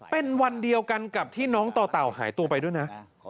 เป็นวันเดียวกันกับที่น้องต่อเต่าหายตัวไปด้วยนะ